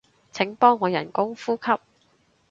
請幫我人工呼吸